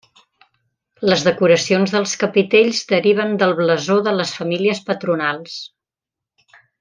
Les decoracions dels capitells deriven del blasó de les famílies patronals.